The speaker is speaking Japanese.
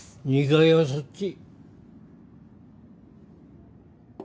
２階はそっち。